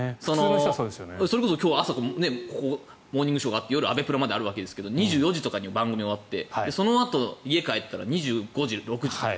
それこそ今日「モーニングショー」があって夜「アベプラ」まであるわけですけど２４時とかに番組が終わってそのあと家に帰ったら２５時、２６時とか。